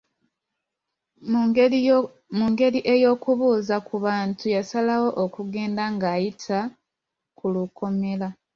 Mu ngeri ey'okubuuza ku bantu yasalawo okugenda ng'ayita ku lukomera.